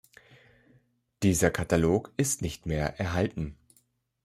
Dieser Katalog ist nicht mehr erhalten.